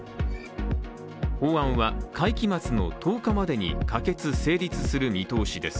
法案は会期末の１０日までに可決・成立する見通しです。